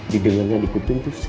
didengarnya di kuping tuh sejuk